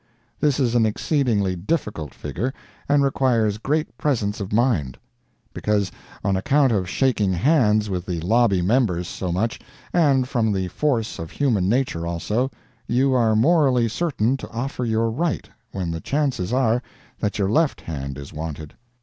This is an exceedingly difficult figure, and requires great presence of mind; because, on account of shaking hands with the lobby members so much, and from the force of human nature also, you are morally certain to offer your right, when the chances are that your left hand is wanted.